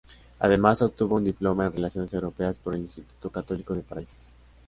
Además obtuvo un diploma en Relaciones Europeas por el Instituto Católico de París.